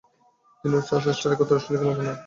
তিনি ও Charles Studd একত্রে অস্ট্রেলিয়া গমন করেন।